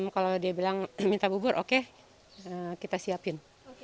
kalau dia bilang minta bubur oke kita siapin